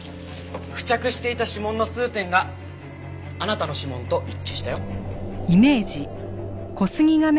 付着していた指紋の数点があなたの指紋と一致したよ。